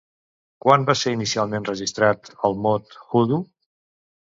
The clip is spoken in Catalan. Quan va ser inicialment registrat el mot Hoodoo?